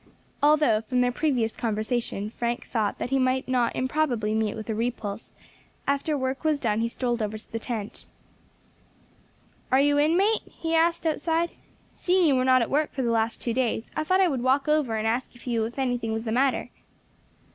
Although, from their previous conversation, Frank thought that he might not improbably meet with a repulse, after work was done he strolled over to the tent. "Are you in, mate?" he asked, outside. "Seeing you were not at work for the last two days, I thought I would walk over and ask you if anything was the matter."